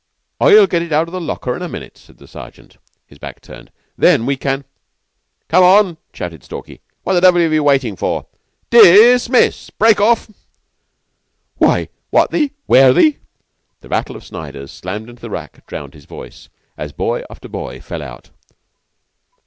"I'll get it out of the locker in a minute," said the Sergeant, his back turned. "Then we can " "Come on!" shouted Stalky. "What the devil are you waiting for? Dismiss! Break off." "Why what the where the ?" The rattle of Sniders, slammed into the rack, drowned his voice, as boy after boy fell out.